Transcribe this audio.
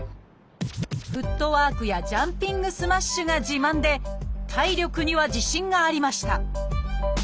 フットワークやジャンピングスマッシュが自慢で体力には自信がありました。